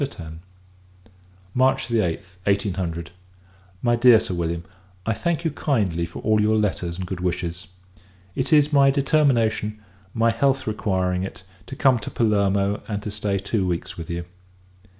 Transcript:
X. March 8th, 1800. MY DEAR SIR WILLIAM, I thank you kindly for all your letters and good wishes. It is my determination, my health requiring it, to come to Palermo, and to stay two weeks with you.